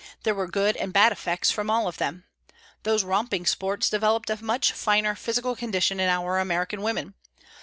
There were good and bad effects from all of them. Those romping sports developed a much finer physical condition in our American women.